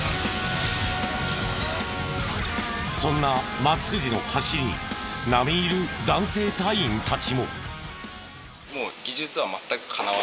そんな松藤の走りに並み居る男性隊員たちも。